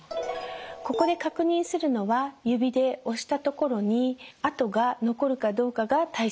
ここで確認するのは指で押したところに痕が残るかどうかが大切になります。